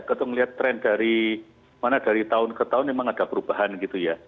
atau melihat tren dari mana dari tahun ke tahun memang ada perubahan gitu ya